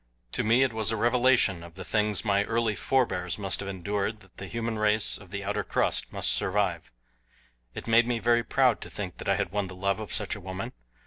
To me it was a revelation of the things my early forebears must have endured that the human race of the outer crust might survive. It made me very proud to think that I had won the love of such a woman.